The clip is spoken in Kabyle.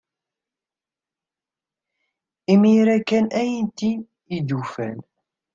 Imir-a kan ay tent-id-ufant.